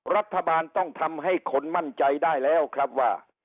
รัฐบาลต้องทำให้คนมั่นใจได้แล้วครับว่า